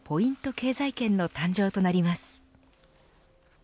経済圏の誕生となります。